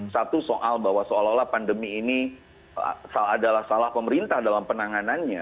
satu soal bahwa seolah olah pandemi ini adalah salah pemerintah dalam penanganannya